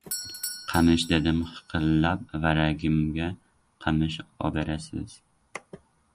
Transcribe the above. Qamish, - dedim hiqillab. - Varragimga qamish oberasiz.